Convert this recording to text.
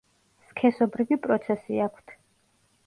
სქესობრივი პროცესი აქვთ.